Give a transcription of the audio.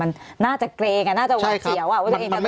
มันน่าจะเกรงอ่ะน่าจะเวาะเฉียวอ่ะ